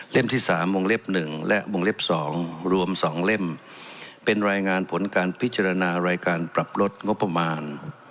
ที่๓วงเล็บ๑และวงเล็บ๒รวม๒เล่มเป็นรายงานผลการพิจารณารายการปรับลดงบประมาณ